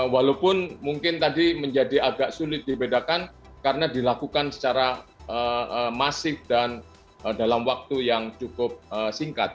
walaupun mungkin tadi menjadi agak sulit dibedakan karena dilakukan secara masif dan dalam waktu yang cukup singkat